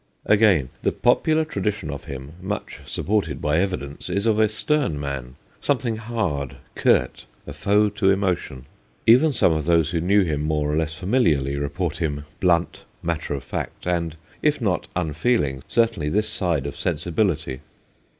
Again : the popular tradition of him, much supported by evidence, is of a stern man, something hard, curt, a foe to emotion. Even some of those who knew him more or less familiarly report him blunt, matter of fact, and if not unfeeling, certainly this side sensibility.